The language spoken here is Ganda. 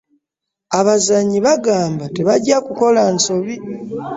Abazannyi bagamba tebajja kukola nsobi.